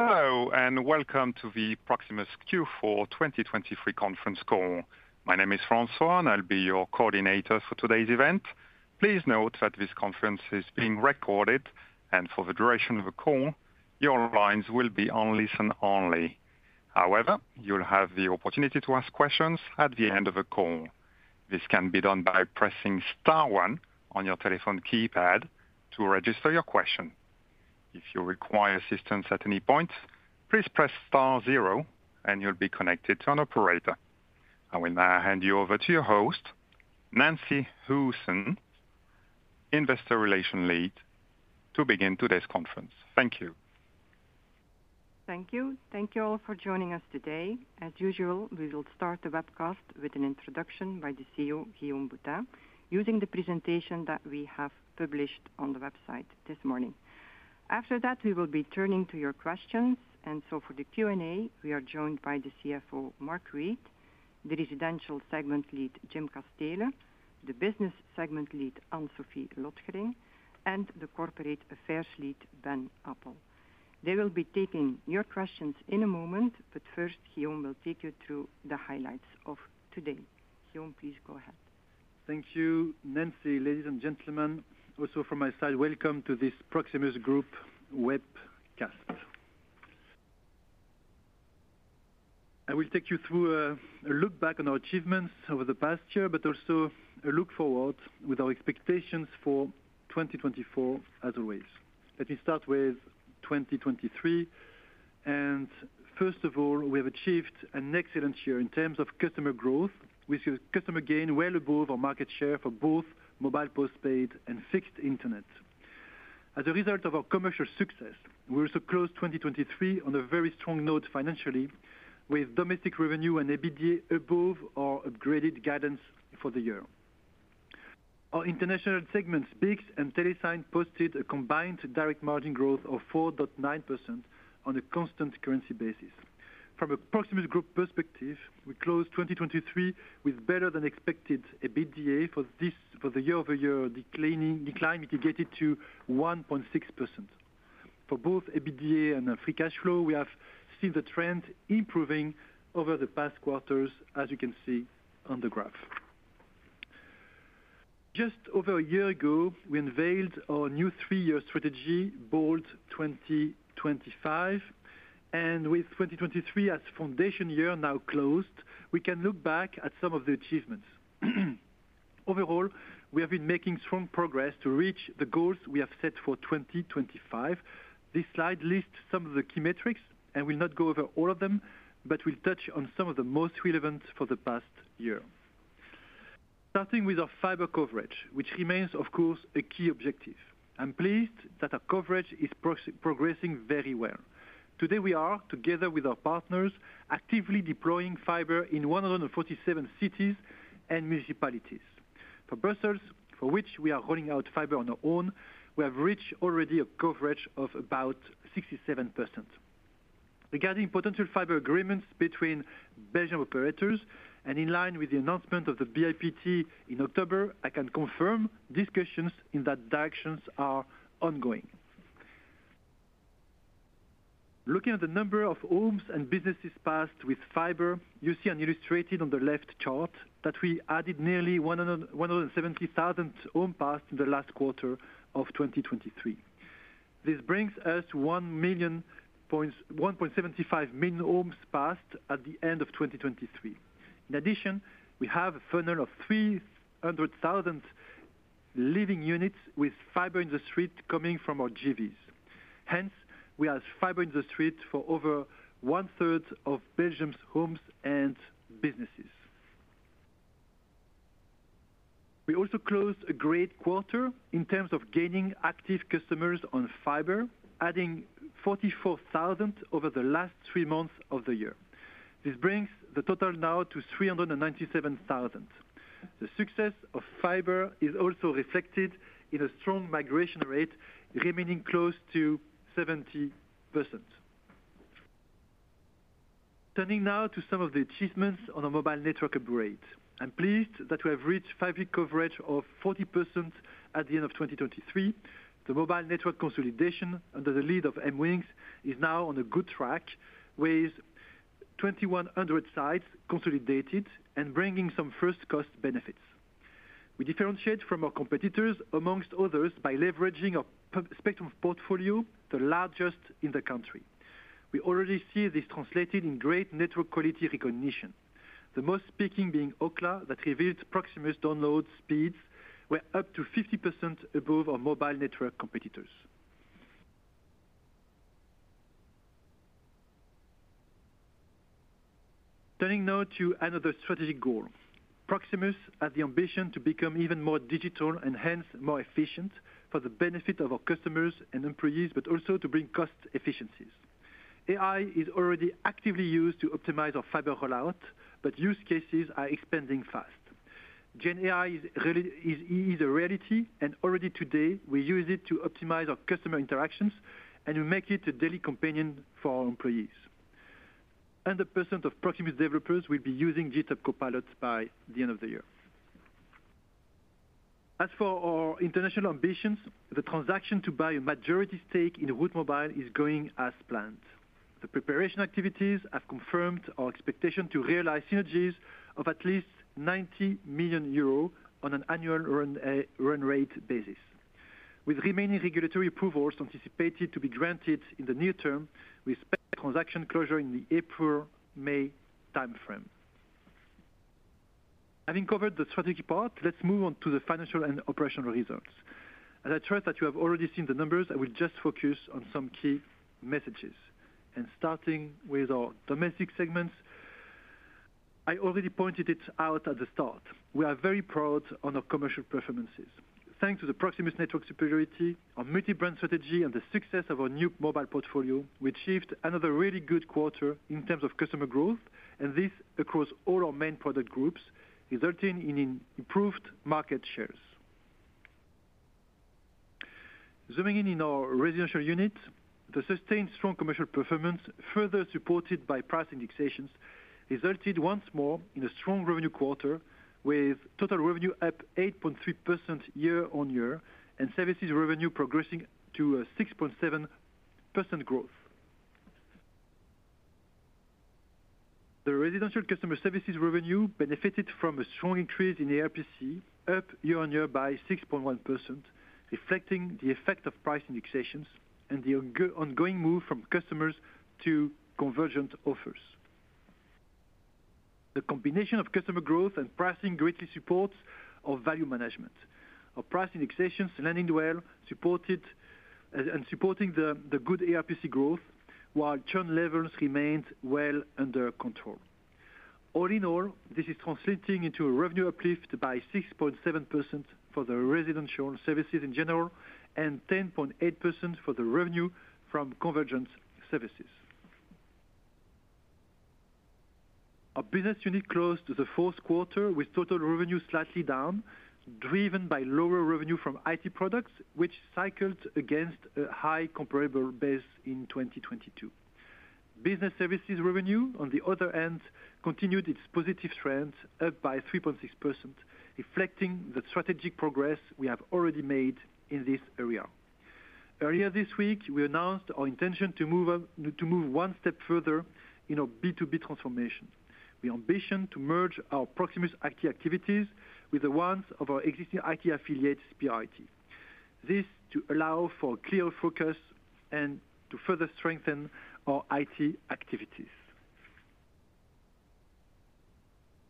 Hello and welcome to the Proximus Q4 2023 conference call. My name is François and I'll be your coordinator for today's event. Please note that this conference is being recorded and for the duration of the call your lines will be on listen only. However, you'll have the opportunity to ask questions at the end of the call. This can be done by pressing star one on your telephone keypad to register your question. If you require assistance at any point, please press star zero and you'll be connected to an operator. I will now hand you over to your host, Nancy Goossens, Investor Relation Lead, to begin today's conference. Thank you. Thank you. Thank you all for joining us today. As usual, we will start the webcast with an introduction by the CEO, Guillaume Boutin, using the presentation that we have published on the website this morning. After that, we will be turning to your questions, and so for the Q&A, we are joined by the CFO, Mark Reid, the Residential Segment Lead, Jim Casteele, the Business Segment Lead, Anne-Sophie Lotgering, and the Corporate Affairs Lead, Ben Appel. They will be taking your questions in a moment, but first Guillaume will take you through the highlights of today. Guillaume, please go ahead. Thank you, Nancy. Ladies and gentlemen, also from my side, welcome to this Proximus Group webcast. I will take you through a look back on our achievements over the past year, but also a look forward with our expectations for 2024, as always. Let me start with 2023. First of all, we have achieved an excellent year in terms of customer growth, with customer gain well above our market share for both mobile postpaid and fixed internet. As a result of our commercial success, we also closed 2023 on a very strong note financially, with domestic revenue and EBITDA above our upgraded guidance for the year. Our international segments, BICS and Telesign, posted a combined direct margin growth of 4.9% on a constant currency basis. From a Proximus Group perspective, we closed 2023 with better than expected EBITDA for the year-over-year decline, declined mitigated to 1.6%. For both EBITDA and free cash flow, we have seen the trend improving over the past quarters, as you can see on the graph. Just over a year ago, we unveiled our new three-year strategy, Bold 2025. With 2023 as foundation year now closed, we can look back at some of the achievements. Overall, we have been making strong progress to reach the goals we have set for 2025. This slide lists some of the key metrics and will not go over all of them, but will touch on some of the most relevant for the past year. Starting with our fiber coverage, which remains, of course, a key objective. I'm pleased that our coverage is progressing very well. Today we are, together with our partners, actively deploying fiber in 147 cities and municipalities. For Brussels, for which we are rolling out fiber on our own, we have reached already a coverage of about 67%. Regarding potential fiber agreements between Belgium operators, and in line with the announcement of the BIPT in October, I can confirm discussions in that direction are ongoing. Looking at the number of homes and businesses passed with fiber, you see illustrated on the left chart that we added nearly 170,000 homes passed in the last quarter of 2023. This brings us to 1.75 million homes passed at the end of 2023. In addition, we have a funnel of 300,000 living units with fiber in the street coming from our JVs. Hence, we have fiber in the street for over one-third of Belgium's homes and businesses. We also closed a great quarter in terms of gaining active customers on fiber, adding 44,000 over the last three months of the year. This brings the total now to 397,000. The success of fiber is also reflected in a strong migration rate, remaining close to 70%. Turning now to some of the achievements on our mobile network upgrade. I'm pleased that we have reached fiber coverage of 40% at the end of 2023. The mobile network consolidation, under the lead of MWingz, is now on a good track, with 2,100 sites consolidated and bringing some first-cost benefits. We differentiate from our competitors, amongst others, by leveraging our spectrum of portfolio, the largest in the country. We already see this translated in great network quality recognition, the most speaking being Ookla that revealed Proximus download speeds were up to 50% above our mobile network competitors. Turning now to another strategic goal. Proximus has the ambition to become even more digital and hence more efficient for the benefit of our customers and employees, but also to bring cost efficiencies. AI is already actively used to optimize our fiber rollout, but use cases are expanding fast. Gen AI is a reality, and already today we use it to optimize our customer interactions, and we make it a daily companion for our employees. 100% of Proximus developers will be using GitHub Copilot by the end of the year. As for our international ambitions, the transaction to buy a majority stake in Route Mobile is going as planned. The preparation activities have confirmed our expectation to realize synergies of at least 90 million euros on an annual run rate basis. With remaining regulatory approvals anticipated to be granted in the near term, we expect transaction closure in the April-May time frame. Having covered the strategic part, let's move on to the financial and operational results. As I trust that you have already seen the numbers, I will just focus on some key messages. Starting with our domestic segments, I already pointed it out at the start. We are very proud of our commercial performances. Thanks to the Proximus network superiority, our multi-brand strategy, and the success of our new mobile portfolio, we achieved another really good quarter in terms of customer growth, and this across all our main product groups, resulting in improved market shares. Zooming in on our residential unit, the sustained strong commercial performance, further supported by price indexations, resulted once more in a strong revenue quarter, with total revenue up 8.3% year-on-year and services revenue progressing to a 6.7% growth. The residential customer services revenue benefited from a strong increase in the RPC, up year-on-year by 6.1%, reflecting the effect of price indexations and the ongoing move from customers to convergent offers. The combination of customer growth and pricing greatly supports our value management. Our price indexations landed well and supporting the good ARPC growth, while churn levels remained well under control. All in all, this is translating into a revenue uplift by 6.7% for the residential services in general and 10.8% for the revenue from convergent services. Our business unit closed the fourth quarter with total revenue slightly down, driven by lower revenue from IT products, which cycled against a high comparable base in 2022. Business services revenue, on the other hand, continued its positive trend, up by 3.6%, reflecting the strategic progress we have already made in this area. Earlier this week, we announced our intention to move one step further in our B2B transformation. We ambition to merge our Proximus IT activities with the ones of our existing IT affiliates, SpearIT. This, to allow for clear focus and to further strengthen our IT activities.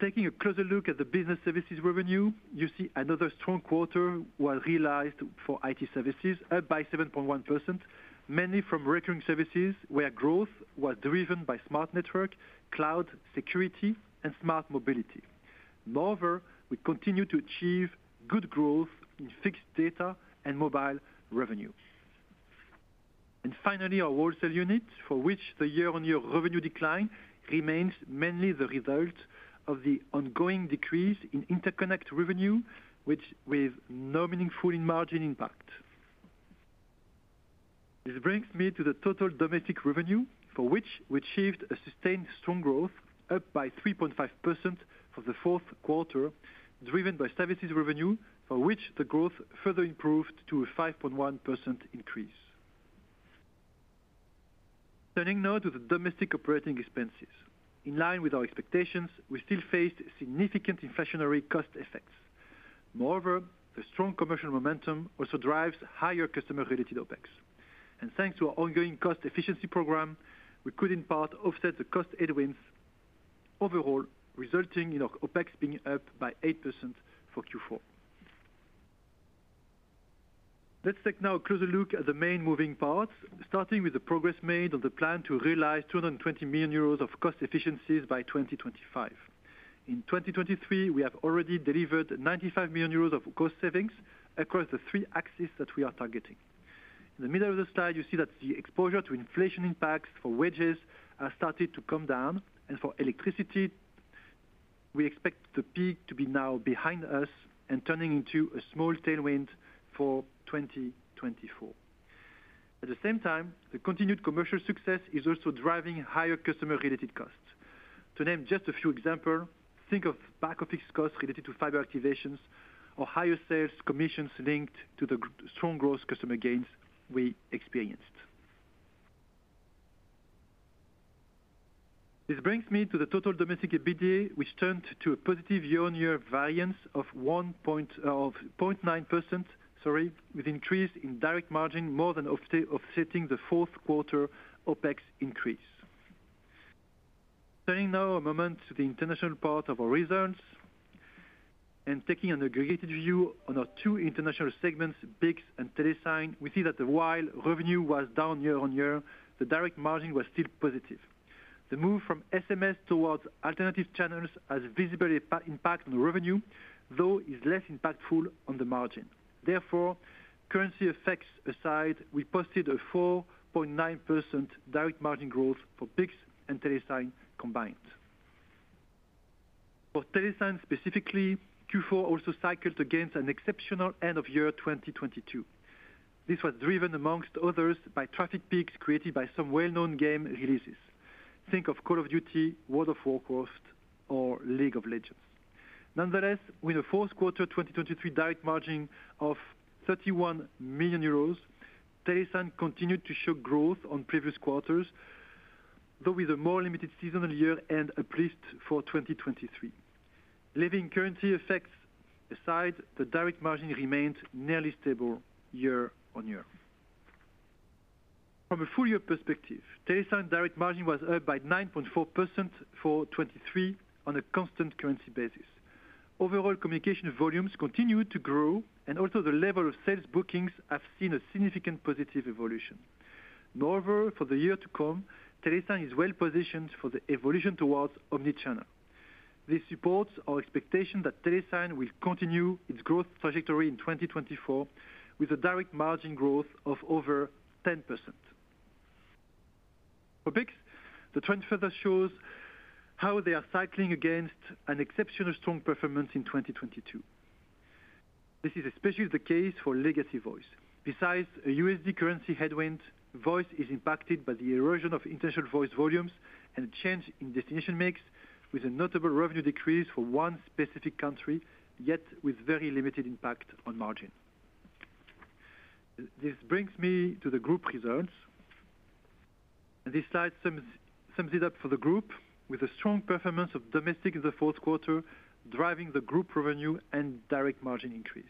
Taking a closer look at the business services revenue, you see another strong quarter was realized for IT services, up by 7.1%, mainly from recurring services where growth was driven by smart network, cloud, security, and smart mobility. Moreover, we continue to achieve good growth in fixed data and mobile revenue. Finally, our wholesale unit, for which the year-on-year revenue decline remains mainly the result of the ongoing decrease in interconnect revenue, with no meaningful margin impact. This brings me to the total domestic revenue, for which we achieved a sustained strong growth, up by 3.5% for the fourth quarter, driven by services revenue, for which the growth further improved to a 5.1% increase. Turning now to the domestic operating expenses. In line with our expectations, we still faced significant inflationary cost effects. Moreover, the strong commercial momentum also drives higher customer-related Opex. Thanks to our ongoing cost efficiency program, we could in part offset the cost headwinds, overall resulting in our Opex being up by 8% for Q4. Let's take now a closer look at the main moving parts, starting with the progress made on the plan to realize 220 million euros of cost efficiencies by 2025. In 2023, we have already delivered 95 million euros of cost savings across the three axes that we are targeting. In the middle of the slide, you see that the exposure to inflation impacts for wages has started to come down, and for electricity, we expect the peak to be now behind us and turning into a small tailwind for 2024. At the same time, the continued commercial success is also driving higher customer-related costs. To name just a few examples, think of back-office costs related to fiber activations or higher sales commissions linked to the strong growth customer gains we experienced. This brings me to the total domestic EBITDA, which turned to a positive year-on-year variance of 0.9%, with an increase in direct margin more than offsetting the fourth quarter Opex increase. Turning now a moment to the international part of our results and taking an aggregated view on our two international segments, BICS and Telesign, we see that while revenue was down year-on-year, the direct margin was still positive. The move from SMS towards alternative channels has visible impact on revenue, though is less impactful on the margin. Therefore, currency effects aside, we posted a 4.9% direct margin growth for BICS and Telesign combined. For Telesign specifically, Q4 also cycled against an exceptional end of year 2022. This was driven, among others, by traffic peaks created by some well-known game releases. Think of Call of Duty, World of Warcraft, or League of Legends. Nonetheless, with a fourth quarter 2023 direct margin of 31 million euros, Telesign continued to show growth on previous quarters, though with a more limited seasonal year-end at least for 2023. Leaving currency effects aside, the direct margin remained nearly stable year-over-year. From a full-year perspective, Telesign direct margin was up by 9.4% for 2023 on a constant currency basis. Overall communication volumes continued to grow, and also the level of sales bookings have seen a significant positive evolution. Moreover, for the year to come, Telesign is well positioned for the evolution towards omnichannel. This supports our expectation that Telesign will continue its growth trajectory in 2024 with a direct margin growth of over 10%. BICS, the trend further shows how they are cycling against an exceptionally strong performance in 2022. This is especially the case for legacy voice. Besides a USD currency headwind, voice is impacted by the erosion of international voice volumes and a change in destination mix, with a notable revenue decrease for one specific country, yet with very limited impact on margin. This brings me to the group results. This slide sums it up for the group, with a strong performance of domestic in the fourth quarter driving the group revenue and direct margin increase.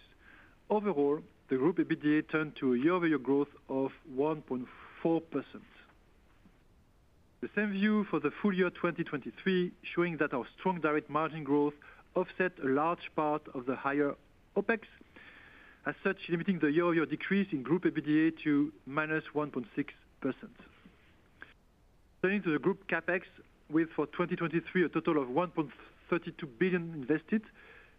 Overall, the group EBITDA turned to a year-over-year growth of 1.4%. The same view for the full year 2023, showing that our strong direct margin growth offset a large part of the higher OpEx, as such limiting the year-over-year decrease in group EBITDA to -1.6%. Turning to the group Capex, with for 2023 a total of 1.32 billion invested,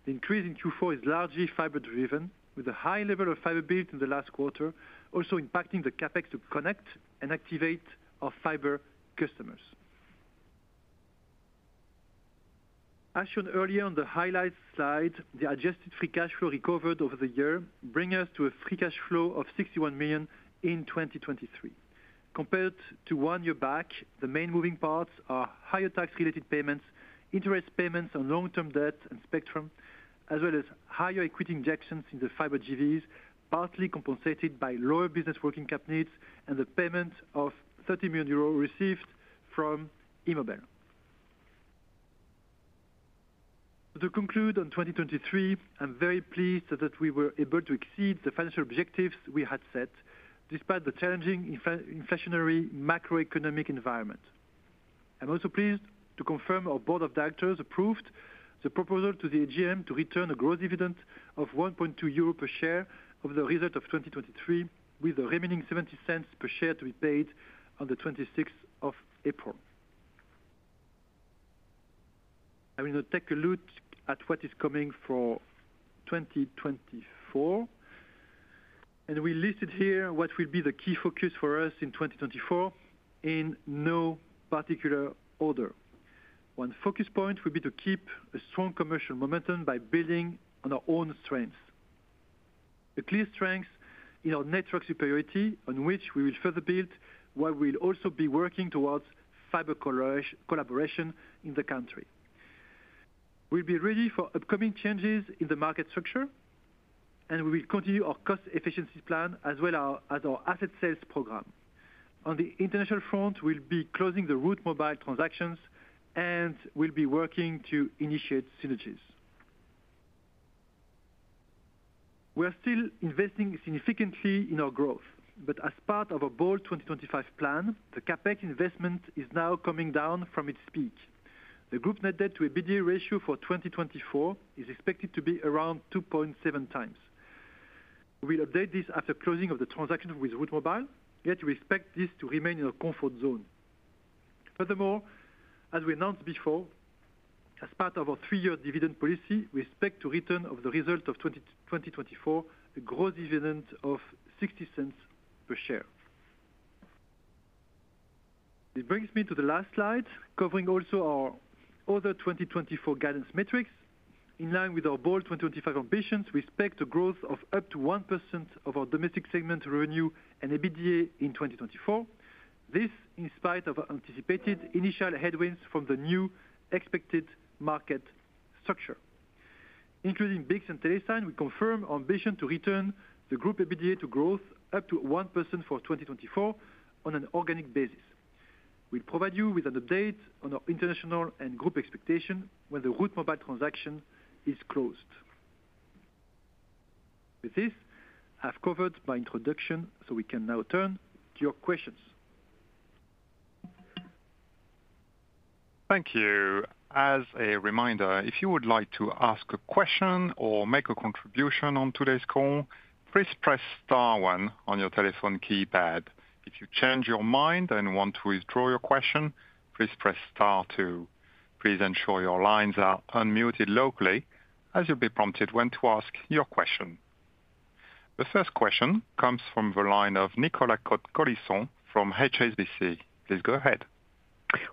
the increase in Q4 is largely fiber-driven, with a high level of fiber built in the last quarter, also impacting the Capex to connect and activate our fiber customers. As shown earlier on the highlight slide, the adjusted Free Cash Flow recovered over the year brings us to a Free Cash Flow of 61 million in 2023. Compared to one year back, the main moving parts are higher tax-related payments, interest payments on long-term debt and spectrum, as well as higher equity injections in the fiber JVs, partly compensated by lower business working cap needs and the payment of 30 million euros received from Be-Mobile. To conclude on 2023, I'm very pleased that we were able to exceed the financial objectives we had set, despite the challenging inflationary macroeconomic environment. I'm also pleased to confirm our board of directors approved the proposal to the AGM to return a gross dividend of 1.2 euro per share of the result of 2023, with the remaining 0.70 per share to be paid on the 26th of April. I will now take a look at what is coming for 2024. We listed here what will be the key focus for us in 2024 in no particular order. One focus point will be to keep a strong commercial momentum by building on our own strengths. A clear strength in our network superiority, on which we will further build while we will also be working towards fiber collaboration in the country. We'll be ready for upcoming changes in the market structure, and we will continue our cost efficiency plan as well as our asset sales program. On the international front, we'll be closing the Route Mobile transactions, and we'll be working to initiate synergies. We are still investing significantly in our growth, but as part of our bold2025 plan, the CapEx investment is now coming down from its peak. The group net debt to EBITDA ratio for 2024 is expected to be around 2.7x. We will update this after closing of the transaction with Route Mobile, yet we expect this to remain in our comfort zone. Furthermore, as we announced before, as part of our three-year dividend policy, we expect to return of the result of 2024 a gross dividend of 0.60 per share. This brings me to the last slide, covering also our other 2024 guidance metrics. In line with our bold2025 ambitions, we expect a growth of up to 1% of our domestic segment revenue and EBITDA in 2024. This in spite of anticipated initial headwinds from the new expected market structure. Including BICS and Telesign, we confirm our ambition to return the group EBITDA to growth up to 1% for 2024 on an organic basis. We'll provide you with an update on our international and group expectation when the Route Mobile transaction is closed. With this, I've covered my introduction, so we can now turn to your questions. Thank you. As a reminder, if you would like to ask a question or make a contribution on today's call, please press star one on your telephone keypad. If you change your mind and want to withdraw your question, please press star two. Please ensure your lines are unmuted locally as you'll be prompted when to ask your question. The first question comes from the line of Nicolas Cote-Colisson from HSBC. Please go ahead.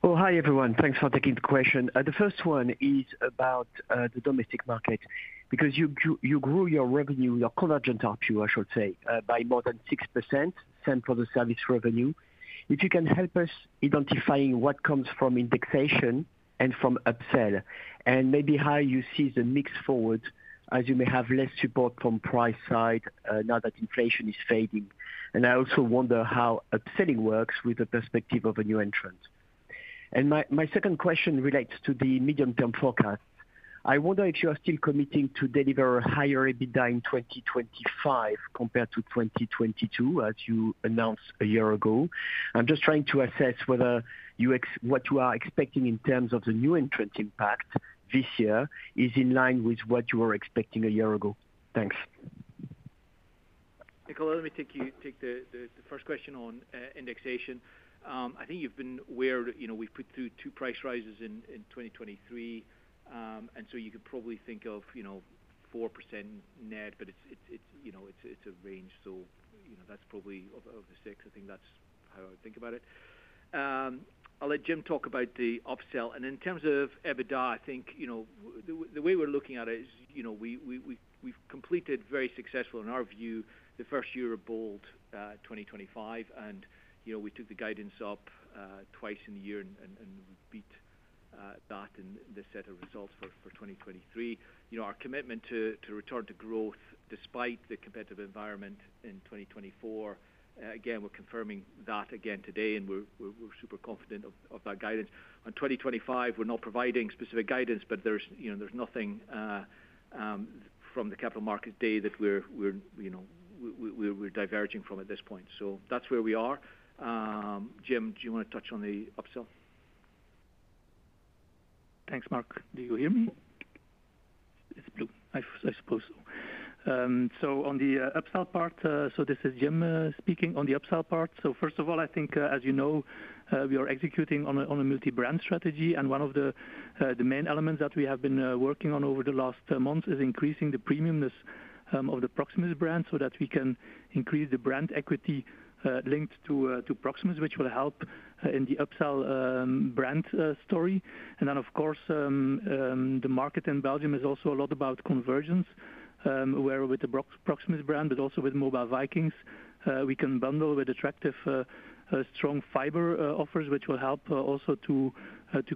Hi, everyone. Thanks for taking the question. The first one is about the domestic market because you grew your revenue, your convergent RPO, I should say, by more than 6%, same for the service revenue. If you can help us identifying what comes from indexation and from upsell, and maybe how you see the mix forward, as you may have less support from price side now that inflation is fading. And I also wonder how upselling works with the perspective of a new entrant. And my second question relates to the medium-term forecast. I wonder if you are still committing to deliver a higher EBITDA in 2025 compared to 2022 as you announced a year ago. I'm just trying to assess whether what you are expecting in terms of the new entrant impact this year is in line with what you were expecting a year ago. Thanks. Nicolas, let me take the first question on indexation. I think you've been aware we've put through two price rises in 2023, and so you could probably think of 4% net, but it's a range. So that's probably of the six. I think that's how I would think about it. I'll let Jim talk about the upsell. In terms of EBITDA, I think the way we're looking at it is we've completed very successful, in our view, the first year of bold2025. We took the guidance up twice in the year, and we've beat that in this set of results for 2023. Our commitment to return to growth despite the competitive environment in 2024, again, we're confirming that again today, and we're super confident of that guidance. On bold2025, we're not providing specific guidance, but there's nothing from the capital markets day that we're diverging from at this point. So that's where we are. Jim, do you want to touch on the upsell? Thanks, Mark. Do you hear me? It's blue, I suppose so. So on the upsell part, so this is Jim speaking on the upsell part. So first of all, I think, as you know, we are executing on a multi-brand strategy. And one of the main elements that we have been working on over the last months is increasing the premiumness of the Proximus brand so that we can increase the brand equity linked to Proximus, which will help in the upsell brand story. And then, of course, the market in Belgium is also a lot about convergence, where with the Proximus brand, but also with Mobile Vikings, we can bundle with attractive, strong fiber offers, which will help also to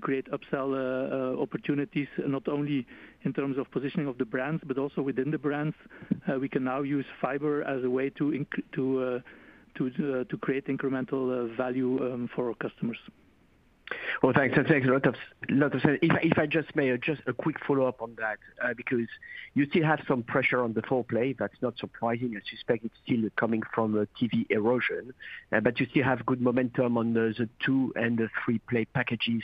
create upsell opportunities, not only in terms of positioning of the brands, but also within the brands. We can now use fiber as a way to create incremental value for our customers. Well, thanks. That makes a lot of sense. If I just may add just a quick follow-up on that because you still have some pressure on the four-play. That's not surprising. I suspect it's still coming from TV erosion. But you still have good momentum on the two and the three-play packages.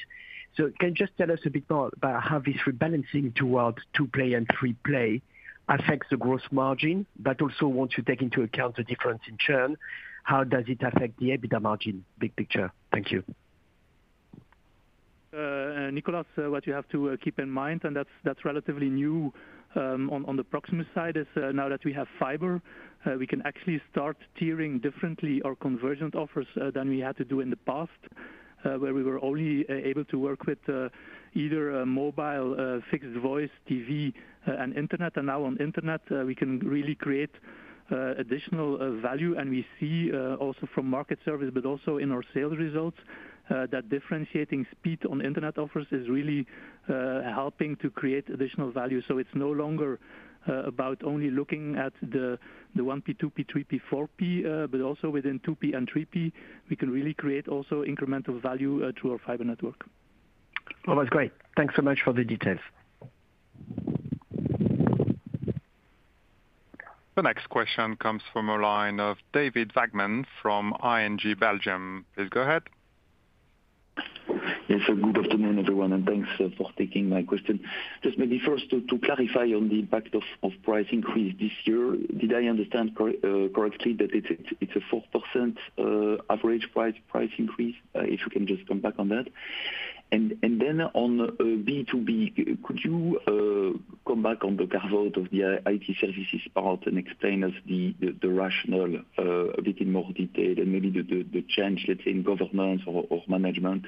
So can you just tell us a bit more about how this rebalancing towards two-play and three-play affects the gross margin, but also once you take into account the difference in churn, how does it affect the EBITDA margin, big picture? Thank you. Nicolas, what you have to keep in mind, and that's relatively new on the Proximus side, is now that we have fiber, we can actually start tiering differently our convergent offers than we had to do in the past, where we were only able to work with either mobile, fixed voice, TV, and internet. And now on internet, we can really create additional value. And we see also from market service, but also in our sales results, that differentiating speed on internet offers is really helping to create additional value. So it's no longer about only looking at the 1P, 2P, 3P, 4P, but also within 2P and 3P, we can really create also incremental value through our fiber network. Well, that's great. Thanks so much for the details. The next question comes from a line of David Vagman from ING Belgium. Please go ahead. Yes. Good afternoon, everyone, and thanks for taking my question. Just maybe first to clarify on the impact of price increase this year. Did I understand correctly that it's a 4% average price increase, if you can just come back on that? And then on B2B, could you come back on the carve-out of the IT services part and explain us the rationale a bit in more detail and maybe the change, let's say, in governance or management?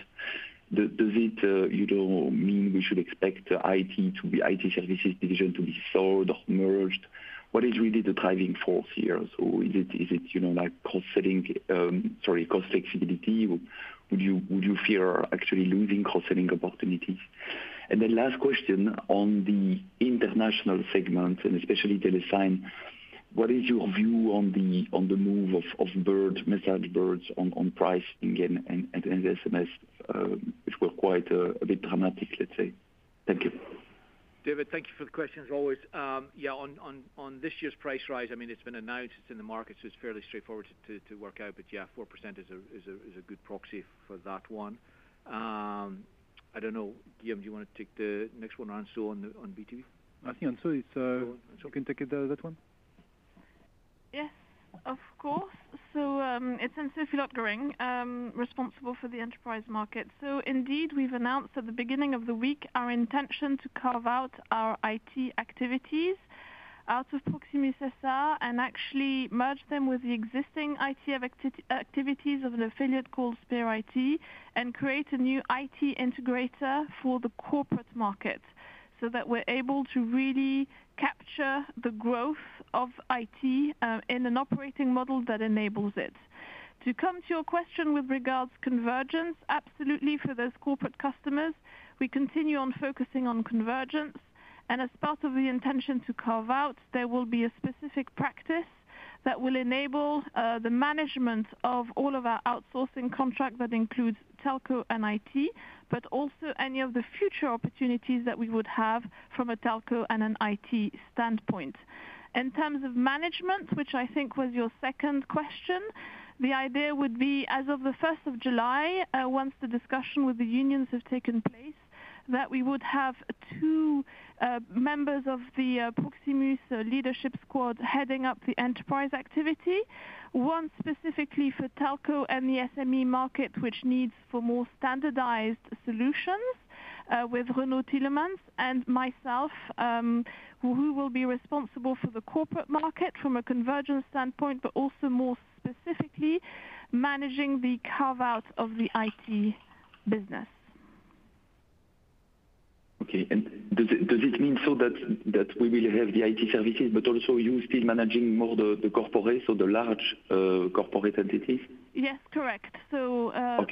Does it mean we should expect IT to be IT services division to be sold or merged? What is really the driving force here? So is it cost-cutting sorry, cost flexibility? Would you fear actually losing cost-cutting opportunities? And then last question on the international segment and especially Telesign, what is your view on the move of MessageBird's on pricing and SMS, which were quite a bit dramatic, let's say? Thank you. David, thank you for the questions, always. Yeah, on this year's price rise, I mean, it's been announced. It's in the market, so it's fairly straightforward to work out. But yeah, 4% is a good proxy for that one. I don't know, Guillaume, do you want to take the next one, Anne-Sophie, on B2B? I think Anso, you can take that one. Yes, of course. So it's Anne-Sophie Lotgering, responsible for the enterprise market. So indeed, we've announced at the beginning of the week our intention to carve out our IT activities out of Proximus SA and actually merge them with the existing IT activities of an affiliate called SpearIT and create a new IT integrator for the corporate market so that we're able to really capture the growth of IT in an operating model that enables it. To come to your question with regards to convergence, absolutely, for those corporate customers, we continue on focusing on convergence. And as part of the intention to carve out, there will be a specific practice that will enable the management of all of our outsourcing contract that includes telco and IT, but also any of the future opportunities that we would have from a telco and an IT standpoint. In terms of management, which I think was your second question, the idea would be, as of the 1st of July, once the discussion with the unions have taken place, that we would have two members of the Proximus leadership squad heading up the enterprise activity, one specifically for telco and the SME market, which needs more standardized solutions with Renaud Tilmans, and myself, who will be responsible for the corporate market from a convergence standpoint, but also more specifically managing the carve-out of the IT business. Okay. Does it mean so that we will have the IT services, but also you still managing more the corporate, so the large corporate entities? Yes, correct. Both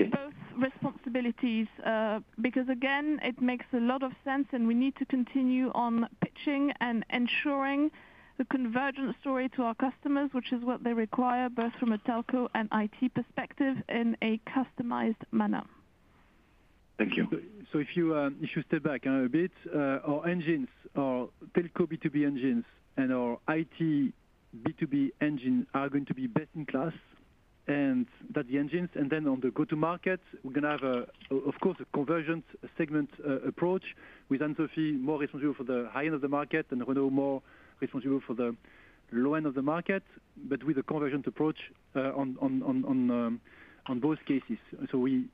responsibilities because, again, it makes a lot of sense, and we need to continue on pitching and ensuring the convergent story to our customers, which is what they require, both from a telco and IT perspective, in a customized manner. Thank you. So if you step back a bit, our engines, our telco B2B engines and our IT B2B engine are going to be best in class, and that's the engines. And then on the go-to-market, we're going to have, of course, a convergent segment approach with Anne-Sophie more responsible for the high end of the market and Renaud more responsible for the low end of the market, but with a convergent approach on both cases. So we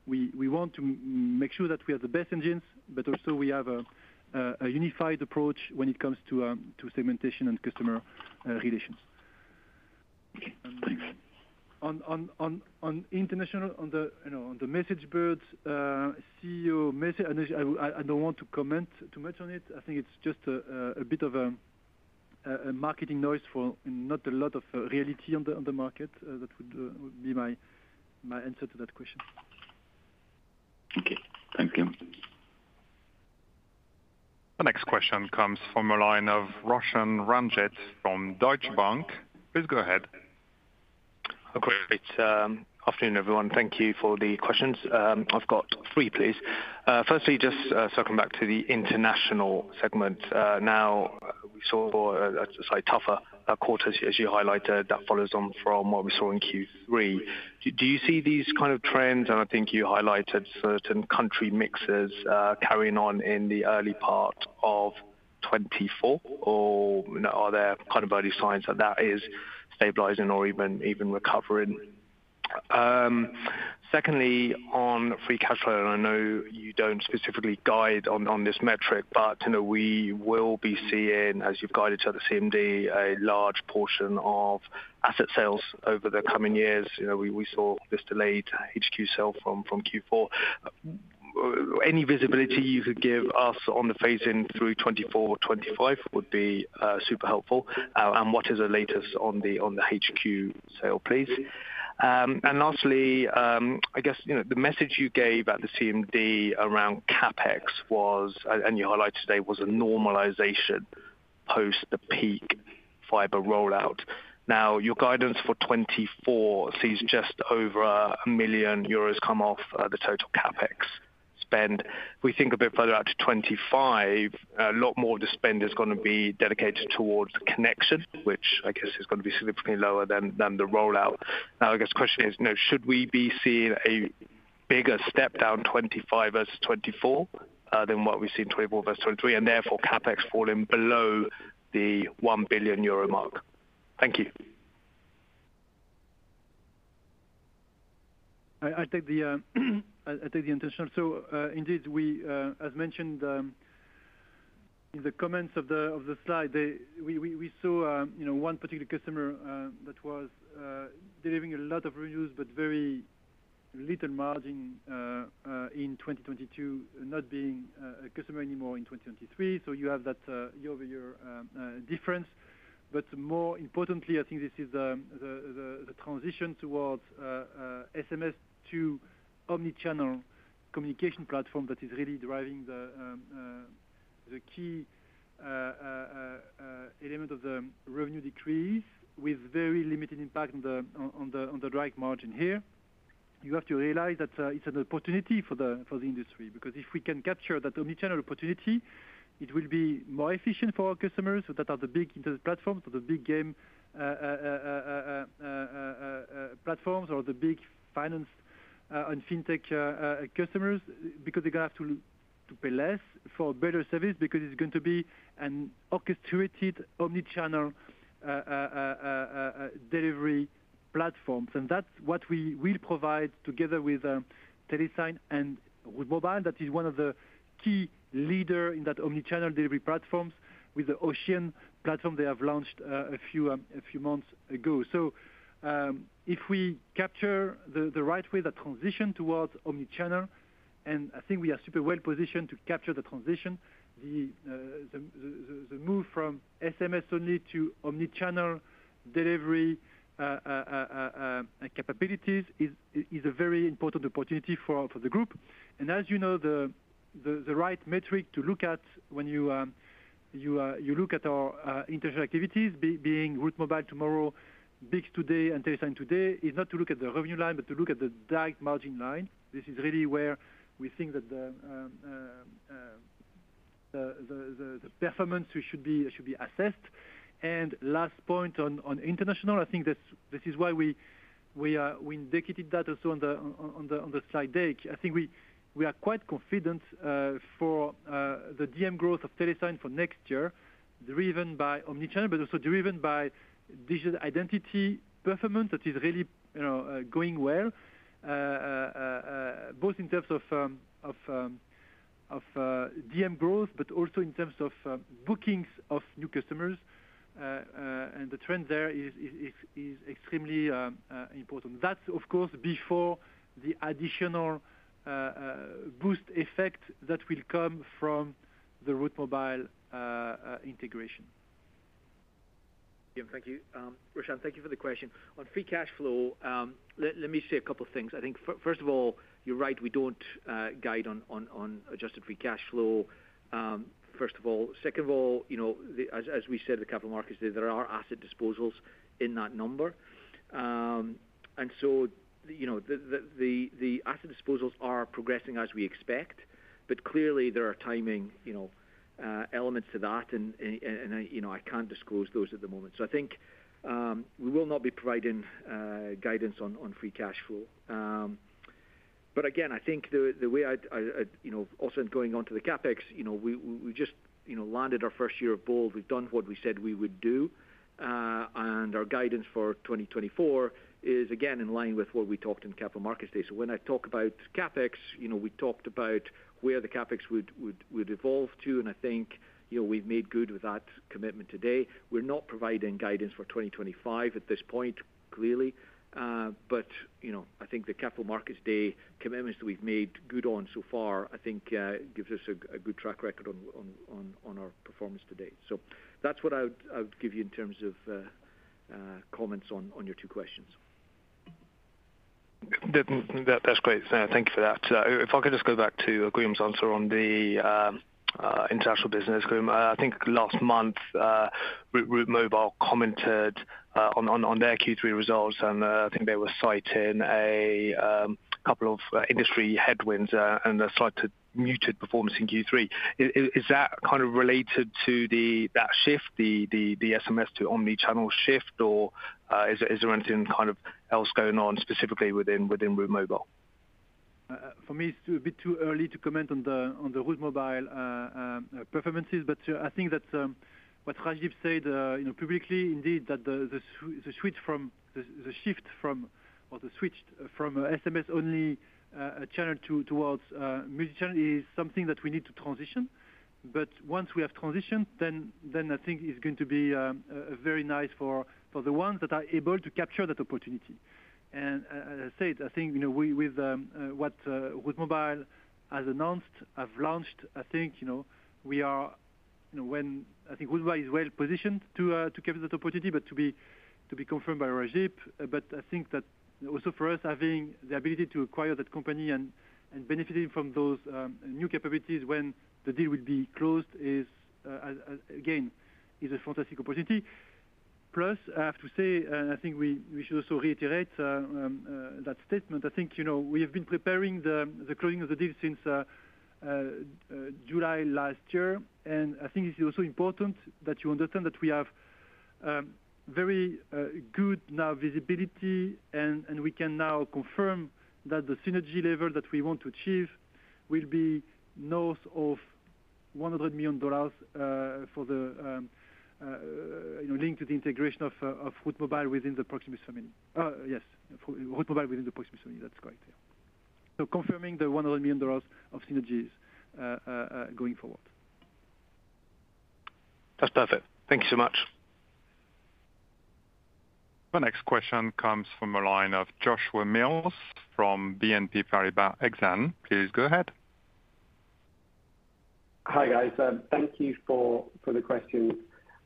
want to make sure that we have the best engines, but also we have a unified approach when it comes to segmentation and customer relations. Thanks. On the MessageBird's CEO message, I don't want to comment too much on it. I think it's just a bit of a marketing noise for not a lot of reality on the market. That would be my answer to that question. Okay. Thanks, Guillaume. The next question comes from a line of Roshan Ranjit from Deutsche Bank. Please go ahead. Okay. Good afternoon, everyone. Thank you for the questions. I've got three, please. Firstly, just circling back to the international segment. Now, we saw a slightly tougher quarter, as you highlighted. That follows on from what we saw in Q3. Do you see these kind of trends? And I think you highlighted certain country mixes carrying on in the early part of 2024, or are there kind of early signs that that is stabilizing or even recovering? Secondly, on free cash flow, and I know you don't specifically guide on this metric, but we will be seeing, as you've guided to the CMD, a large portion of asset sales over the coming years. We saw this delayed HQ sale from Q4. Any visibility you could give us on the phase-in through 2024, 2025 would be super helpful. And what is the latest on the HQ sale, please? Lastly, I guess the message you gave at the CMD around CapEx was, and you highlighted today, was a normalization post the peak fiber rollout. Now, your guidance for 2024 sees just over 1 million euros come off the total CapEx spend. If we think a bit further out to 2025, a lot more of the spend is going to be dedicated towards connection, which I guess is going to be significantly lower than the rollout. Now, I guess the question is, should we be seeing a bigger step down 2025 versus 2024 than what we've seen 2024 versus 2023, and therefore CapEx falling below the 1 billion euro mark? Thank you. I think the intention so indeed, as mentioned in the comments of the slide, we saw one particular customer that was delivering a lot of revenues but very little margin in 2022, not being a customer anymore in 2023. So you have that year-over-year difference. But more importantly, I think this is the transition towards SMS to omnichannel communication platform that is really driving the key element of the revenue decrease with very limited impact on the Direct Margin here. You have to realize that it's an opportunity for the industry because if we can capture that omnichannel opportunity, it will be more efficient for our customers. So that are the big internet platforms, the big game platforms, or the big finance and fintech customers because they're going to have to pay less for better service because it's going to be an orchestrated omnichannel delivery platform. That's what we will provide together with Telesign and Route Mobile. That is one of the key leaders in that omnichannel delivery platforms with the Ocean platform they have launched a few months ago. So if we capture the right way, the transition towards omnichannel, and I think we are super well positioned to capture the transition, the move from SMS only to omnichannel delivery capabilities is a very important opportunity for the group. And as you know, the right metric to look at when you look at our international activities, being Route Mobile tomorrow, BICS today, and Telesign today, is not to look at the revenue line, but to look at the Direct Margin line. This is really where we think that the performance should be assessed. And last point on international, I think this is why we indicated that also on the slide, deck. I think we are quite confident for the DM growth of Telesign for next year, driven by omnichannel, but also driven by digital identity performance that is really going well, both in terms of DM growth, but also in terms of bookings of new customers. The trend there is extremely important. That's, of course, before the additional boost effect that will come from the Route Mobile integration. Guillaume, thank you. Roshan, thank you for the question. On free cash flow, let me say a couple of things. I think, first of all, you're right. We don't guide on adjusted free cash flow, first of all. Second of all, as we said at the capital markets day, there are asset disposals in that number. And so the asset disposals are progressing as we expect, but clearly, there are timing elements to that, and I can't disclose those at the moment. So I think we will not be providing guidance on free cash flow. But again, I think the way I'm also going on to the CapEx, we just landed our first year of bold. We've done what we said we would do. And our guidance for 2024 is, again, in line with what we talked in capital markets day. So when I talk about CapEx, we talked about where the CapEx would evolve to, and I think we've made good with that commitment today. We're not providing guidance for 2025 at this point, clearly. But I think the capital markets day commitments that we've made good on so far, I think, gives us a good track record on our performance today. So that's what I would give you in terms of comments on your two questions. That's great. Thank you for that. If I could just go back to Guillaume's answer on the international business, Guillaume, I think last month, Route Mobile commented on their Q3 results, and I think they were citing a couple of industry headwinds and a slightly muted performance in Q3. Is that kind of related to that shift, the SMS to omnichannel shift, or is there anything kind of else going on specifically within Route Mobile? For me, it's a bit too early to comment on the Route Mobile performances, but I think that's what Rajdip said publicly, indeed, that the shift from or the switch from SMS only channel towards multi-channel is something that we need to transition. But once we have transitioned, then I think it's going to be very nice for the ones that are able to capture that opportunity. And as I said, I think with what Route Mobile has announced, have launched, I think we are when I think Route Mobile is well positioned to capture that opportunity, but to be confirmed by Rajdip. But I think that also for us, having the ability to acquire that company and benefiting from those new capabilities when the deal will be closed, again, is a fantastic opportunity. Plus, I have to say, and I think we should also reiterate that statement. I think we have been preparing the closing of the deal since July last year. And I think it's also important that you understand that we have very good now visibility, and we can now confirm that the synergy level that we want to achieve will be north of $100 million for the link to the integration of Route Mobile within the Proximus family. Yes, Route Mobile within the Proximus family. That's correct. So confirming the $100 million of synergies going forward. That's perfect. Thank you so much. The next question comes from a line of Joshua Mills from BNP Paribas Exane. Please go ahead. Hi, guys. Thank you for the questions.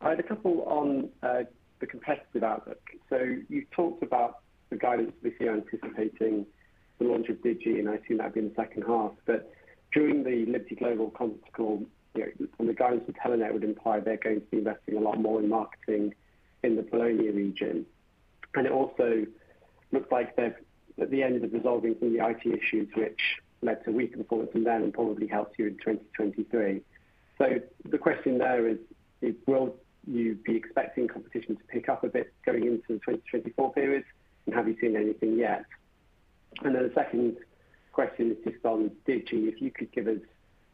I had a couple on the competitive outlook. So you've talked about the guidance this year anticipating the launch of Digi, and I assume that'd be in the second half. But during the Liberty Global conference call, the guidance for Telenet would imply they're going to be investing a lot more in marketing in the Wallonia region. And it also looks like they're, at least, resolving some of the IT issues, which led to weaker performance from them and probably helps you in 2023. So the question there is, will you be expecting competition to pick up a bit going into the 2024 period, and have you seen anything yet? And then the second question is just on Digi. If you could give us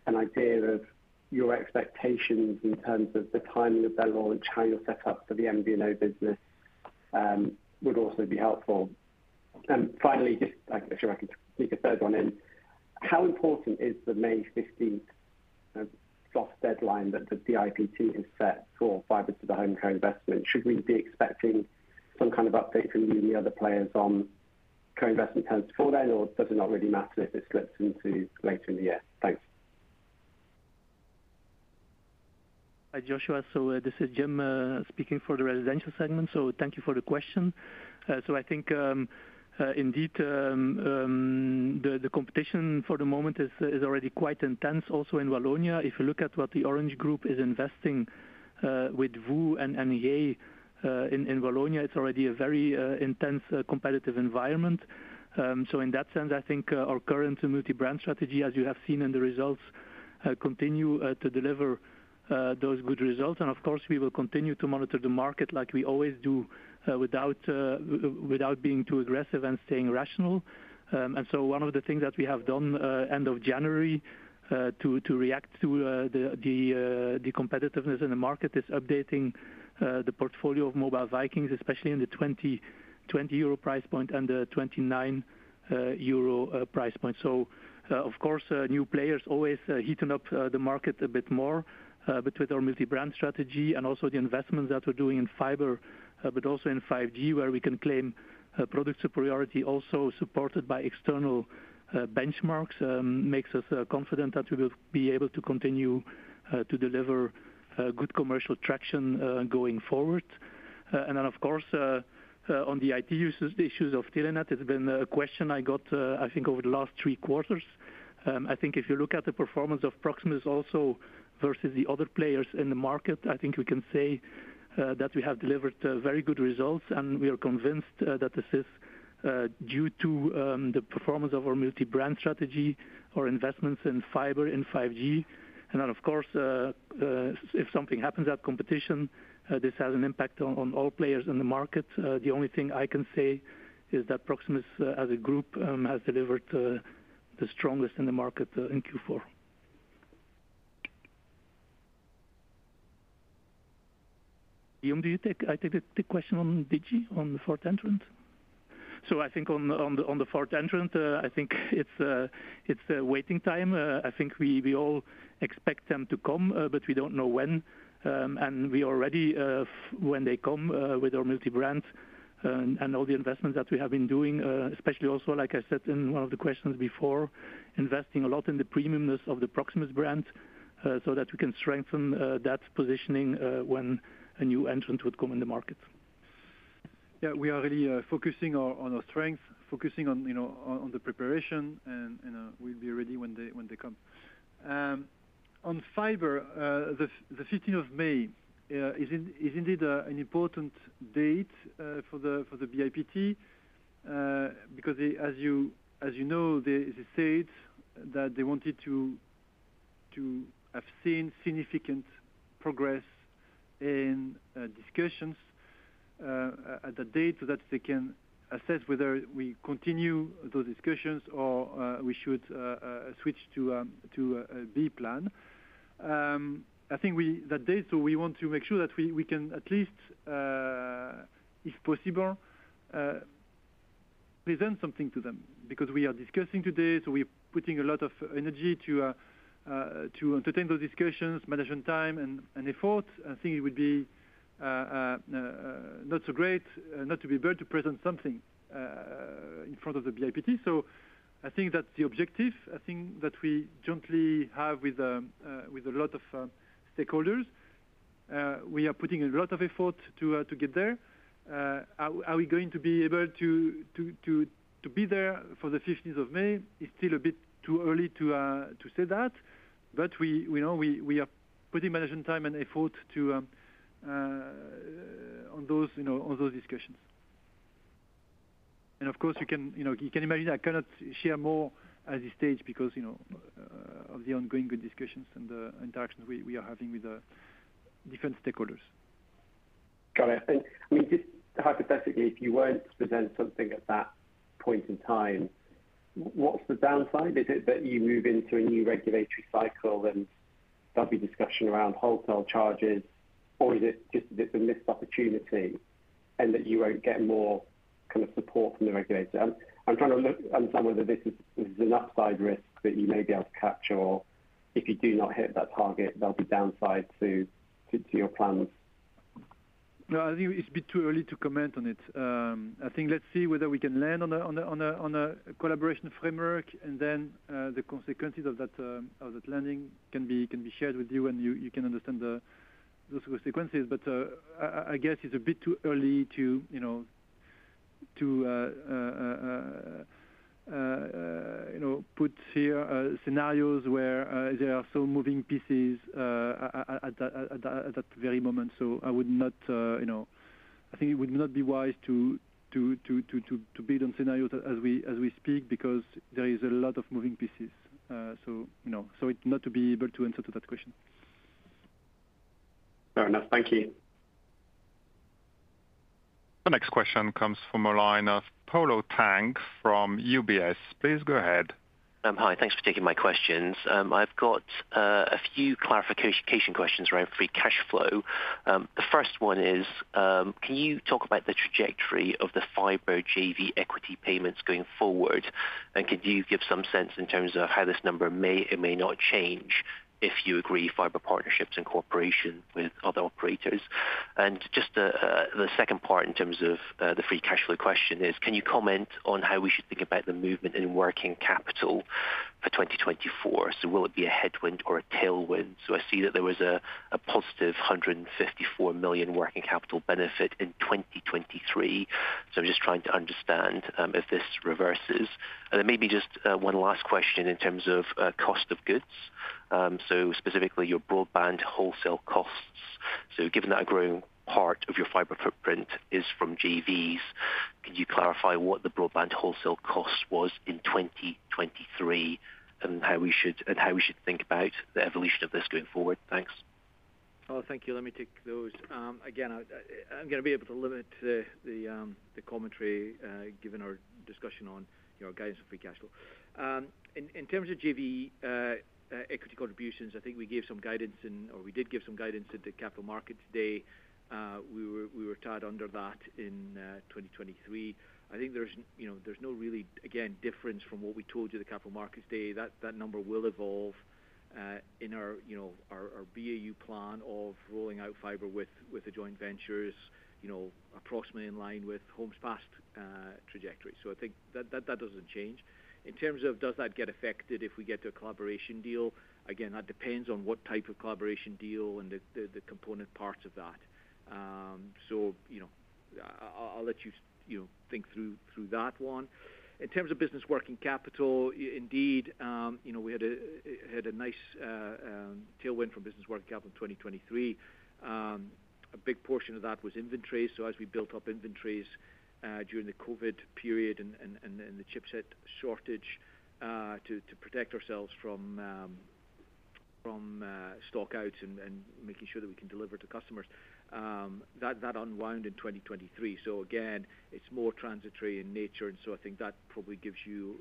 an idea of your expectations in terms of the timing of their launch, how you're set up for the MV&O business would also be helpful. And finally, just if I could sneak a third one in, how important is the May 15th soft deadline that the BIPT has set for fiber to the home co-investment? Should we be expecting some kind of update from you and the other players on co-investment terms before then, or does it not really matter if it slips into later in the year? Thanks. Hi, Joshua. So this is Jim speaking for the residential segment. So thank you for the question. So I think, indeed, the competition for the moment is already quite intense also in Wallonia. If you look at what the Orange Group is investing with VOO and NGA in Wallonia, it's already a very intense competitive environment. So in that sense, I think our current multi-brand strategy, as you have seen in the results, continue to deliver those good results. And of course, we will continue to monitor the market like we always do without being too aggressive and staying rational. And so one of the things that we have done end of January to react to the competitiveness in the market is updating the portfolio of Mobile Vikings, especially in the 20 euro price point and the 29 euro price point. So of course, new players always heat up the market a bit more, but with our multi-brand strategy and also the investments that we're doing in fiber, but also in 5G, where we can claim product superiority also supported by external benchmarks, makes us confident that we will be able to continue to deliver good commercial traction going forward. And then, of course, on the IT issues of Telenet, it's been a question I got, I think, over the last three quarters. I think if you look at the performance of Proximus also versus the other players in the market, I think we can say that we have delivered very good results, and we are convinced that this is due to the performance of our multi-brand strategy, our investments in fiber and 5G. And then, of course, if something happens at competition, this has an impact on all players in the market. The only thing I can say is that Proximus, as a group, has delivered the strongest in the market in Q4. Guillaume, do you take the question on Digi on the fourth entrant? So I think on the fourth entrant, I think it's the waiting time. I think we all expect them to come, but we don't know when. And we are ready when they come with our multi-brand and all the investments that we have been doing, especially also, like I said in one of the questions before, investing a lot in the premiumness of the Proximus brand so that we can strengthen that positioning when a new entrant would come in the market. Yeah, we are really focusing on our strength, focusing on the preparation, and we'll be ready when they come. On fiber, the 15th of May is indeed an important date for the BIPT because, as you know, they said that they wanted to have seen significant progress in discussions at that date so that they can assess whether we continue those discussions or we should switch to a B plan. I think that date, so we want to make sure that we can at least, if possible, present something to them because we are discussing today, so we're putting a lot of energy to entertain those discussions, manage on time, and effort. I think it would be not so great not to be able to present something in front of the BIPT. So I think that's the objective, I think, that we jointly have with a lot of stakeholders. We are putting a lot of effort to get there. Are we going to be able to be there for the 15th of May? It's still a bit too early to say that, but we are putting management time and effort on those discussions. Of course, you can imagine I cannot share more at this stage because of the ongoing good discussions and interactions we are having with different stakeholders. Got it. And I mean, just hypothetically, if you weren't to present something at that point in time, what's the downside? Is it that you move into a new regulatory cycle, and there'll be discussion around wholesale charges, or is it just that it's a missed opportunity and that you won't get more kind of support from the regulator? I'm trying to understand whether this is an upside risk that you may be able to capture, or if you do not hit that target, there'll be downside to your plans. No, I think it's a bit too early to comment on it. I think let's see whether we can land on a collaboration framework, and then the consequences of that landing can be shared with you, and you can understand those consequences. But I guess it's a bit too early to put here scenarios where there are some moving pieces at that very moment. So I think it would not be wise to build on scenarios as we speak because there is a lot of moving pieces. So it's not to be able to answer to that question. Fair enough. Thank you. The next question comes from a line of Polo Tang from UBS. Please go ahead. Hi. Thanks for taking my questions. I've got a few clarification questions around free cash flow. The first one is, can you talk about the trajectory of the fiber JV equity payments going forward, and could you give some sense in terms of how this number may or may not change if you agree fiber partnerships and cooperation with other operators? Just the second part in terms of the free cash flow question is, can you comment on how we should think about the movement in working capital for 2024? Will it be a headwind or a tailwind? I see that there was a positive 154 million working capital benefit in 2023. I'm just trying to understand if this reverses. Then maybe just one last question in terms of cost of goods. Specifically, your broadband wholesale costs. Given that a growing part of your fiber footprint is from GVs, can you clarify what the broadband wholesale cost was in 2023 and how we should think about the evolution of this going forward? Thanks. Oh, thank you. Let me take those. Again, I'm going to be able to limit the commentary given our discussion on our guidance of free cash flow. In terms of JV equity contributions, I think we gave some guidance in or we did give some guidance into Capital Markets Day. We were tied under that in 2023. I think there's no really, again, difference from what we told you the Capital Markets Day. That number will evolve in our BAU plan of rolling out fiber with the joint ventures approximately in line with Home's past trajectory. So I think that doesn't change. In terms of, does that get affected if we get to a collaboration deal, again, that depends on what type of collaboration deal and the component parts of that. So I'll let you think through that one. In terms of business working capital, indeed, we had a nice tailwind from business working capital in 2023. A big portion of that was inventories. So as we built up inventories during the COVID period and the chipset shortage to protect ourselves from stockouts and making sure that we can deliver to customers, that unwound in 2023. So again, it's more transitory in nature. And so I think that probably gives you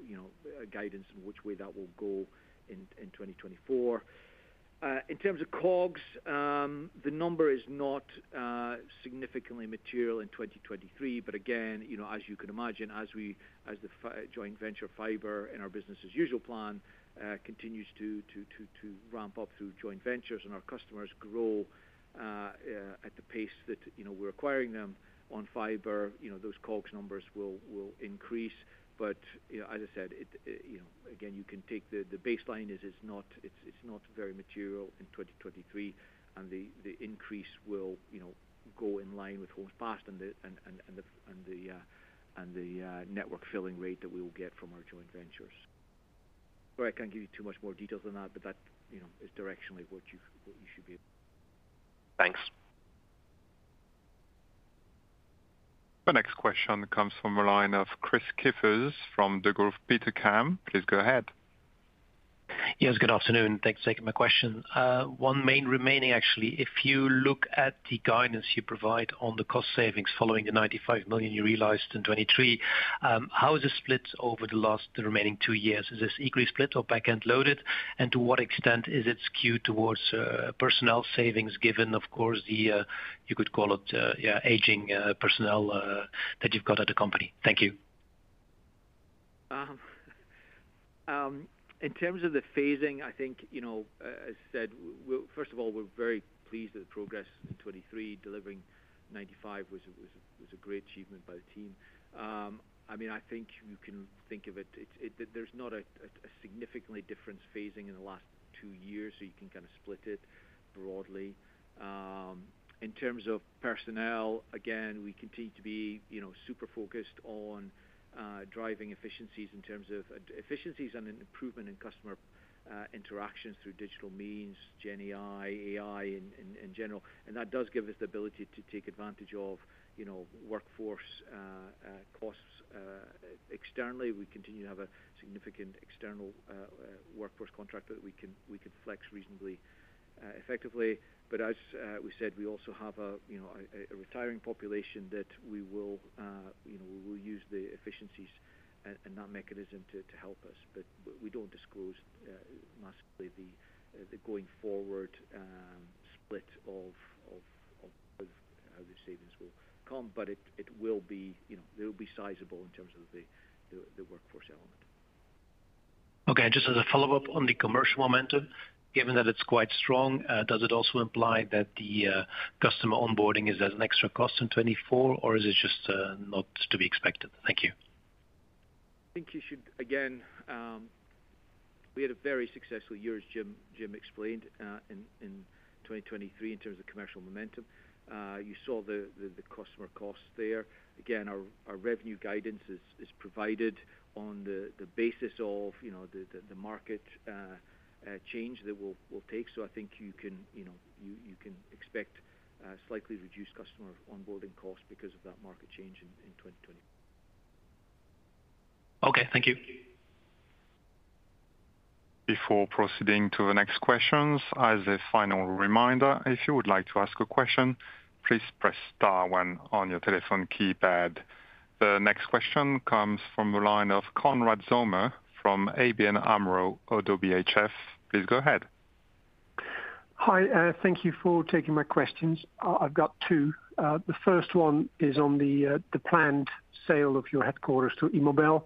guidance in which way that will go in 2024. In terms of COGS, the number is not significantly material in 2023. But again, as you can imagine, as the joint venture fiber in our business-as-usual plan continues to ramp up through joint ventures and our customers grow at the pace that we're acquiring them on fiber, those COGS numbers will increase. But as I said, again, you can take the baseline is it's not very material in 2023, and the increase will go in line with Home's past and the network filling rate that we will get from our joint ventures. Or I can't give you too much more details than that, but that is directionally what you should be able to. Thanks. The next question comes from a line of Kris Kippers from Degroof Petercam. Please go ahead. Yeah, it's good afternoon. Thanks for taking my question. One main remaining, actually. If you look at the guidance you provide on the cost savings following the 95 million you realised in 2023, how is it split over the remaining two years? Is this equally split or backend-loaded? And to what extent is it skewed towards personnel savings given, of course, the you could call it aging personnel that you've got at the company? Thank you. In terms of the phasing, I think, as I said, first of all, we're very pleased with the progress in 2023. Delivering 95 was a great achievement by the team. I mean, I think you can think of it, there's not a significantly different phasing in the last two years, so you can kind of split it broadly. In terms of personnel, again, we continue to be super focused on driving efficiencies in terms of efficiencies and improvement in customer interactions through digital means, GenAI, AI in general. And that does give us the ability to take advantage of workforce costs externally. We continue to have a significant external workforce contract that we can flex reasonably effectively. But as we said, we also have a retiring population that we will use the efficiencies and that mechanism to help us. But we don't disclose massively the going forward split of how the savings will come, but it will be they will be sizable in terms of the workforce element. Okay. Just as a follow-up on the commercial momentum, given that it's quite strong, does it also imply that the customer onboarding is as an extra cost in 2024, or is it just not to be expected? Thank you. I think you should again, we had a very successful year, as Jim explained, in 2023 in terms of commercial momentum. You saw the customer costs there. Again, our revenue guidance is provided on the basis of the market change that we'll take. So I think you can expect slightly reduced customer onboarding costs because of that market change in 2024. Okay. Thank you. Before proceeding to the next questions, as a final reminder, if you would like to ask a question, please press star one on your telephone keypad. The next question comes from a line of Konrad Zomer from ABN AMRO - ODDO BHF. Please go ahead. Hi. Thank you for taking my questions. I've got two. The first one is on the planned sale of your headquarters to Immobel.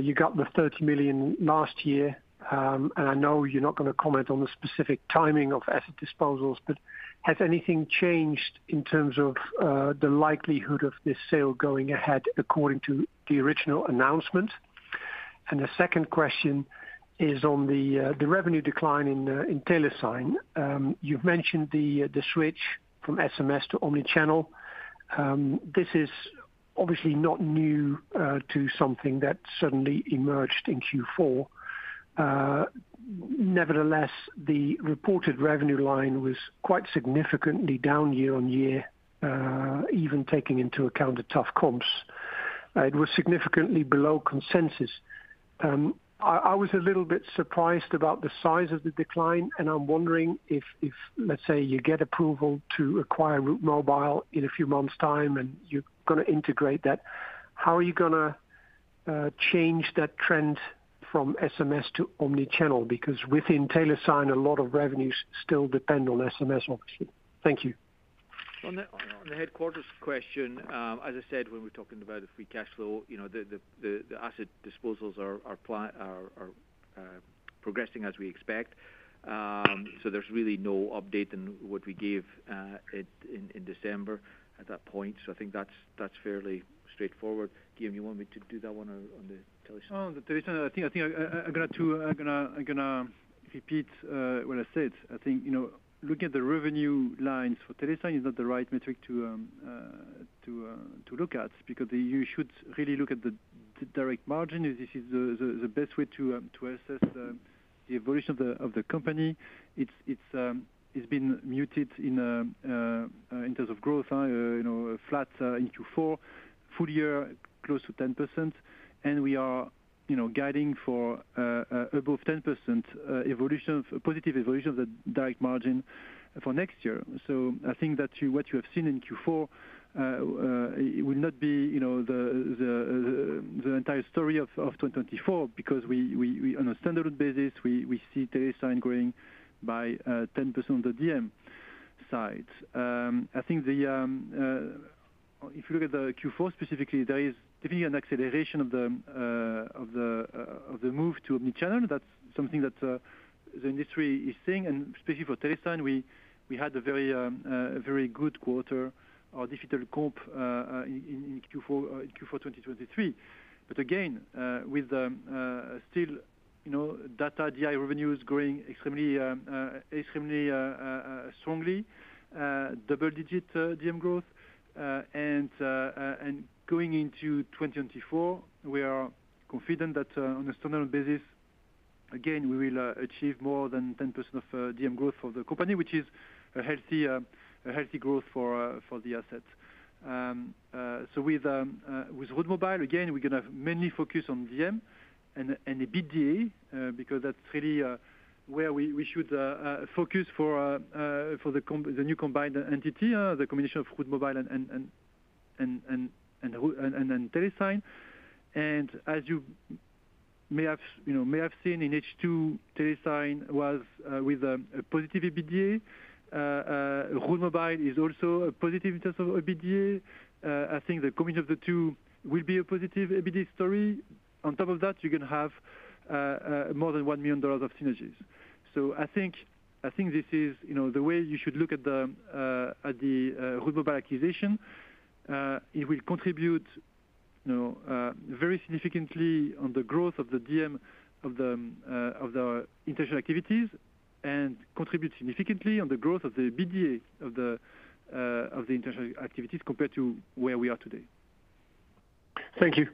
You got the 30 million last year, and I know you're not going to comment on the specific timing of asset disposals, but has anything changed in terms of the likelihood of this sale going ahead according to the original announcement? The second question is on the revenue decline in Telesign. You've mentioned the switch from SMS to omnichannel. This is obviously not new to something that suddenly emerged in Q4. Nevertheless, the reported revenue line was quite significantly down year-over-year, even taking into account the tough comps. It was significantly below consensus. I was a little bit surprised about the size of the decline, and I'm wondering if, let's say, you get approval to acquire Route Mobile in a few months' time and you're going to integrate that, how are you going to change that trend from SMS to omnichannel? Because within Telesign, a lot of revenues still depend on SMS, obviously. Thank you. On the headquarters question, as I said, when we're talking about the free cash flow, the asset disposals are progressing as we expect. So there's really no update in what we gave in December at that point. So I think that's fairly straightforward. Guillaume, you want me to do that one on the Telesign? Oh, the Telesign. I think I'm going to repeat what I said. I think looking at the revenue lines for Telesign is not the right metric to look at because you should really look at the direct margin. This is the best way to assess the evolution of the company. It's been muted in terms of growth, flat in Q4, full year, close to 10%. And we are guiding for above 10% positive evolution of the direct margin for next year. So I think that what you have seen in Q4 will not be the entire story of 2024 because on a standard basis, we see Telesign growing by 10% on the DM side. I think if you look at the Q4 specifically, there is definitely an acceleration of the move to omnichannel. That's something that the industry is seeing. And specifically for Telesign, we had a very good quarter or difficult comp in Q4 2023. But again, with still data DI revenues growing extremely strongly, double-digit DM growth, and going into 2024, we are confident that on a standard basis, again, we will achieve more than 10% of DM growth for the company, which is a healthy growth for the assets. So with Route Mobile, again, we're going to mainly focus on DM and a EBITDA because that's really where we should focus for the new combined entity, the combination of Route Mobile and Telesign. And as you may have seen in H2, Telesign was with a positive EBITDA. Route Mobile is also a positive in terms of EBITDA. I think the combination of the two will be a positive EBITDA story. On top of that, you're going to have more than $1 million of synergies. So I think this is the way you should look at the Route Mobile acquisition. It will contribute very significantly on the growth of the DM of the international activities and contribute significantly on the growth of the EBITDA of the international activities compared to where we are today. Thank you.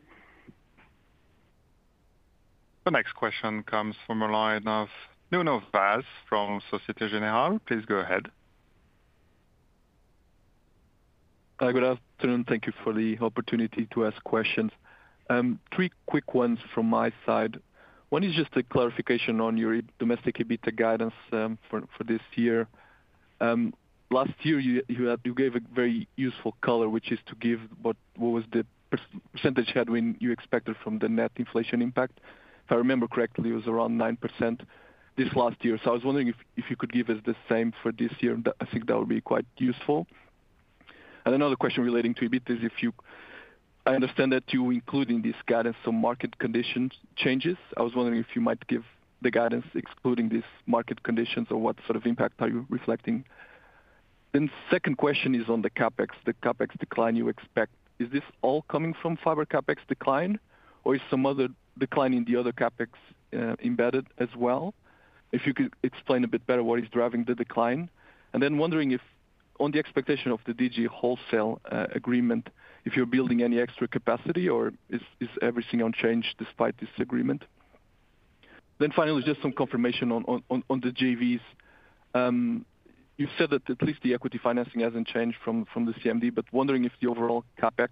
The next question comes from a line of Nuno Vaz from Société Générale. Please go ahead. Good afternoon. Thank you for the opportunity to ask questions. Three quick ones from my side. One is just a clarification on your domestic EBITDA guidance for this year. Last year, you gave a very useful color, which is to give what was the percentage headwind you expected from the net inflation impact. If I remember correctly, it was around 9% this last year. So I was wondering if you could give us the same for this year. I think that would be quite useful. And another question relating to EBITDA is, if I understand, that you're including this guidance on market condition changes. I was wondering if you might give the guidance excluding these market conditions or what sort of impact are you reflecting? The second question is on the Capex, the Capex decline you expect. Is this all coming from fiber Capex decline, or is some other decline in the other Capex embedded as well? If you could explain a bit better what is driving the decline. Then wondering if on the expectation of the Digi wholesale agreement, if you're building any extra capacity or is everything unchanged despite this agreement? Then finally, just some confirmation on the JVs. You've said that at least the equity financing hasn't changed from the CMD, but wondering if the overall Capex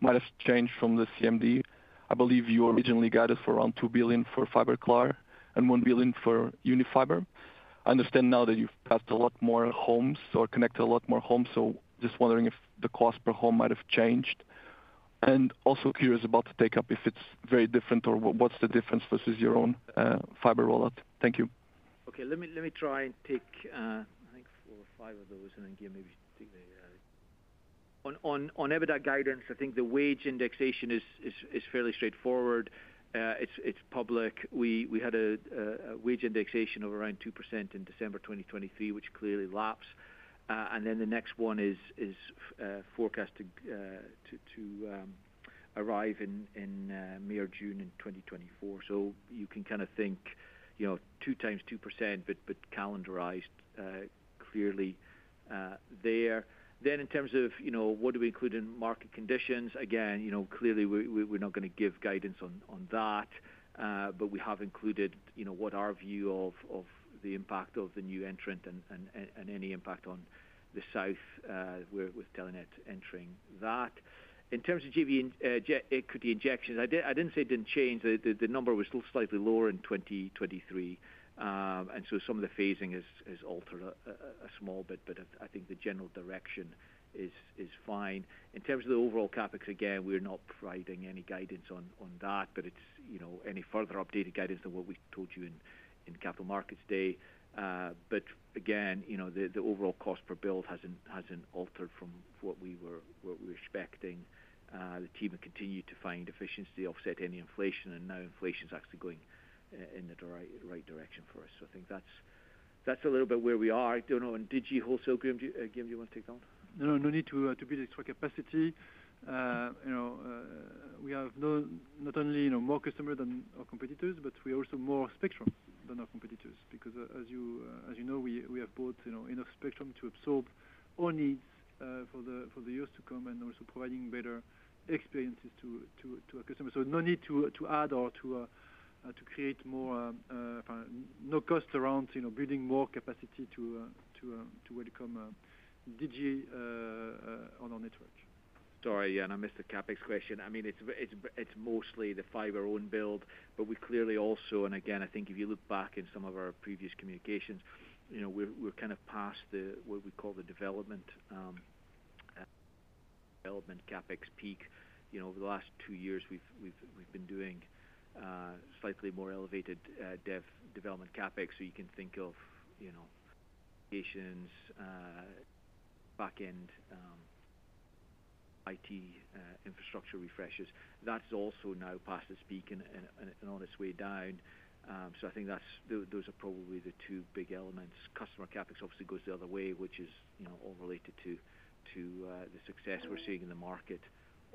might have changed from the CMD. I believe you originally guided us for around 2 billion for Fiberklaar and 1 billion for Unifiber. I understand now that you've passed a lot more homes or connected a lot more homes, so just wondering if the cost per home might have changed. Also curious about the take-up, if it's very different or what's the difference versus your own fiber rollout. Thank you. Okay. Let me try and take I think 4 or 5 of those, and then Guillaume, maybe take the on EBITDA guidance. I think the wage indexation is fairly straightforward. It's public. We had a wage indexation of around 2% in December 2023, which clearly laps. And then the next one is forecast to arrive in May or June in 2024. So you can kind of think 2 times 2%, but calendarized clearly there. Then in terms of what do we include in market conditions, again, clearly, we're not going to give guidance on that. But we have included what our view of the impact of the new entrant and any impact on the south with Telenet entering that. In terms of JV equity injections, I didn't say it didn't change. The number was still slightly lower in 2023. And so some of the phasing has altered a small bit, but I think the general direction is fine. In terms of the overall Capex, again, we're not providing any guidance on that, but it's any further updated guidance than what we told you in Capital Markets Day. But again, the overall cost per build hasn't altered from what we were expecting. The team have continued to find efficiency, offset any inflation, and now inflation's actually going in the right direction for us. So I think that's a little bit where we are. Don't know. And Digi wholesale, Guillaume, do you want to take that one? No, no. No need to build extra capacity. We have not only more customers than our competitors, but we also have more spectrum than our competitors. Because as you know, we have both enough spectrum to absorb all needs for the years to come and also providing better experiences to our customers. So no need to add or to create more. No cost around building more capacity to welcome Digi on our network. Sorry, Jan. I missed the CapEx question. I mean, it's mostly the fiber own build, but we clearly also and again, I think if you look back in some of our previous communications, we're kind of past what we call the development CapEx peak. Over the last two years, we've been doing slightly more elevated development CapEx. So you can think of applications, backend, IT infrastructure refreshes. That's also now past its peak and on its way down. So I think those are probably the two big elements. Customer CapEx obviously goes the other way, which is all related to the success we're seeing in the market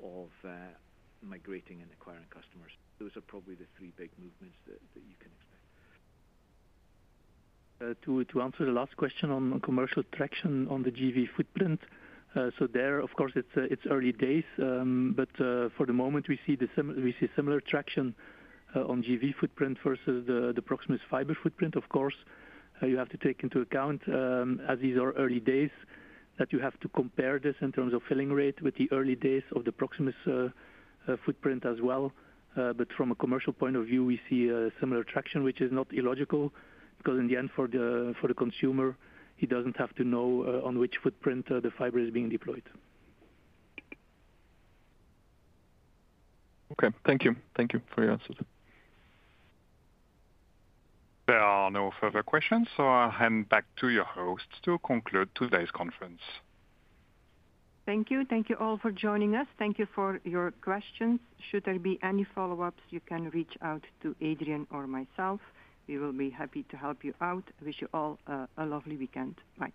of migrating and acquiring customers. Those are probably the three big movements that you can expect. To answer the last question on commercial traction on the JV footprint, so there, of course, it's early days. But for the moment, we see similar traction on JV footprint versus the Proximus fiber footprint. Of course, you have to take into account, as these are early days, that you have to compare this in terms of filling rate with the early days of the Proximus footprint as well. But from a commercial point of view, we see similar traction, which is not illogical because in the end, for the consumer, he doesn't have to know on which footprint the fiber is being deployed. Okay. Thank you. Thank you for your answers. There are no further questions, so I'll hand back to your hosts to conclude today's conference. Thank you. Thank you all for joining us. Thank you for your questions. Should there be any follow-ups, you can reach out to Adrien or myself. We will be happy to help you out. Wish you all a lovely weekend. Bye.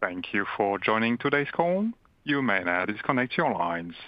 Thank you for joining today's call. You may now disconnect your lines.